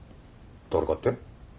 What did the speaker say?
誰かって？